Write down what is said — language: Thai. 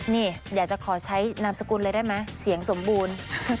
นี่อยากจะขอใช้นามสกุลเลยได้ไหมเสียงสมบูรณ์